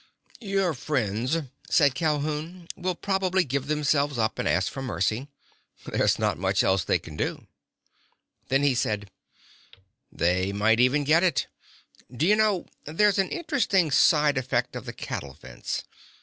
"Your friends," said Calhoun, "will probably give themselves up and ask for mercy. There's not much else they can do." Then he said: "They might even get it. D'you know, there's an interesting side effect of the cattle fence.